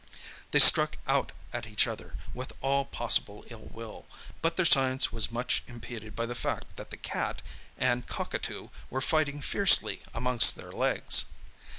They struck out at each other with all possible ill will, but their science was much impeded by the fact that the cat and cockatoo were fighting fiercely amongst their legs.